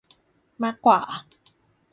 มากกว่า